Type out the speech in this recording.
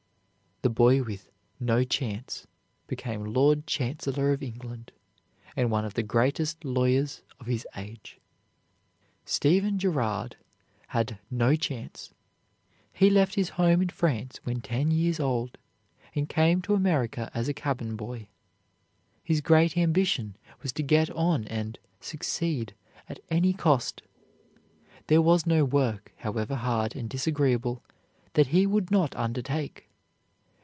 The boy with "no chance" became Lord Chancellor of England, and one of the greatest lawyers of his age. Stephen Girard had "no chance." He left his home in France when ten years old, and came to America as a cabin boy. His great ambition was to get on and succeed at any cost. There was no work, however hard and disagreeable, that he would not undertake.